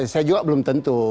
saya juga belum tentu